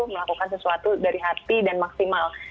melakukan sesuatu dari hati dan maksimal